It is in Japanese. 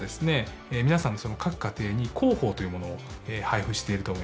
皆さんの各家庭に広報というものを配布していると思います。